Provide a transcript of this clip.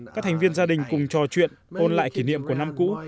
các thành viên gia đình cùng trò chuyện ôn lại kỷ niệm của năm cũ